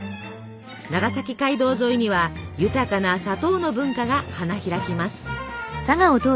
長崎街道沿いには豊かな砂糖の文化が花開きます。